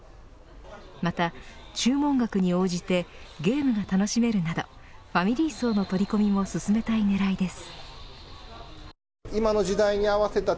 また、注文額に応じてゲームが楽しめるなどファミリー層の取り込みも進めたい狙いです。